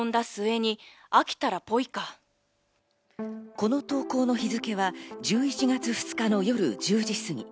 この投稿の日付は１１月２日の夜１０時すぎ。